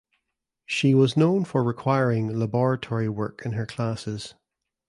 She was known for requiring laboratory work in her classes.